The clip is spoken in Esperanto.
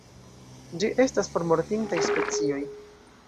Ĝi estas formortintaj specioj.